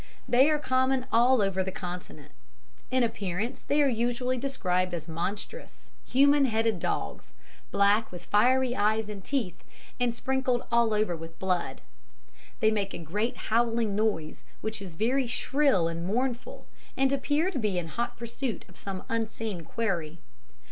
They are common all over the Continent. In appearance they are usually described as monstrous, human headed dogs, black, with fiery eyes and teeth, and sprinkled all over with blood. They make a great howling noise, which is very shrill and mournful, and appear to be in hot pursuit of some unseen quarry.